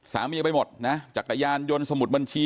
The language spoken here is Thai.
เมียไปหมดนะจักรยานยนต์สมุดบัญชี